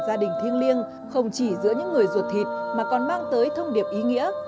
gia đình thiêng liêng không chỉ giữa những người ruột thịt mà còn mang tới thông điệp ý nghĩa